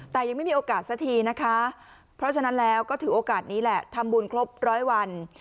แต่ยังไม่มีโอกาสสักทีนะคะเพราะฉะนั้นแล้วก็ถือโอกาสนี้แหละทำบุญครบร้อยวัน